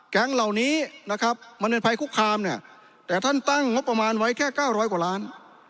แก๊งเหล่านี้มันแผ่นไภคุกคามท่านตั้งงบประมาณไว้แค่๙๐๐กว่าล้าน